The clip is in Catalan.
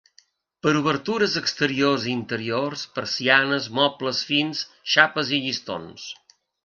Per obertures exteriors i interiors, persianes, mobles fins, xapes i llistons.